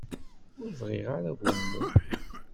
Ur bɣiɣ ara agummu.